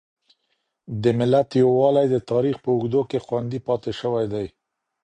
د ملت يووالی د تاريخ په اوږدو کې خوندي پاتې شوی دی.